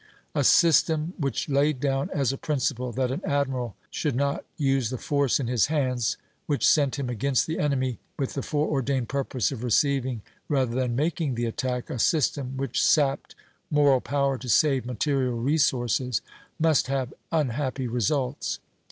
A system which laid down as a principle that an admiral should not use the force in his hands, which sent him against the enemy with the foreordained purpose of receiving rather than making the attack, a system which sapped moral power to save material resources, must have unhappy results....